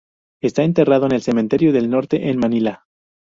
Está enterrado en el Cementerio del Norte en Manila.